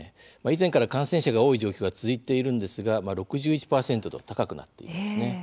以前から感染者が多い状況が続いているんですが６１％と高くなっているんですね。